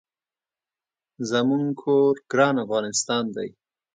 زمونږ کور ګران افغانستان دي